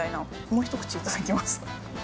もう一口頂きます。